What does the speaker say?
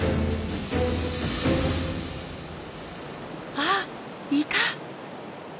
あっイカ。